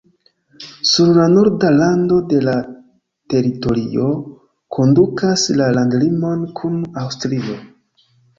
Sur la norda rando de la teritorio kondukas la landlimon kun Aŭstrio.